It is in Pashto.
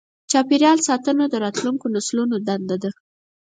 چاپېریال ساتنه د راتلونکو نسلونو دنده ده.